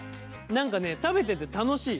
何かね食べてて楽しい。